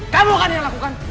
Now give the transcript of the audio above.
kamu kan yang lakukan